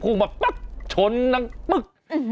พูดมาปั๊บชนนะปึ๊บ